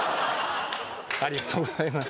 ありがとうございます。